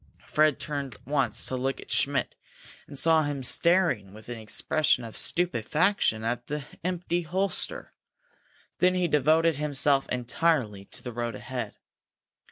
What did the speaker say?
Fred turned once to look at Schmidt, and saw him staring with an expression of stupefaction at the empty holster. Then he devoted himself entirely to the road ahead.